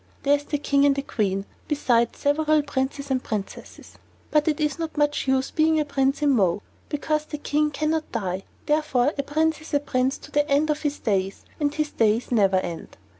There is the King and a Queen, besides several princes and princesses. But it is not much use being a prince in Mo, because the King can not die; therefore a prince is a prince to the end of his days, and his days never end.